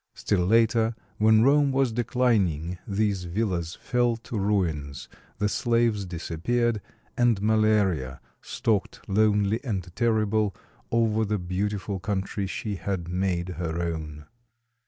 Still later, when Rome was declining, these villas fell to ruins, the slaves disappeared, and Malaria stalked lonely and terrible over the beautiful country she had made her own.